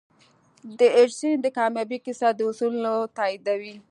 د ايډېسن د کاميابۍ کيسه دا اصول تاييدوي.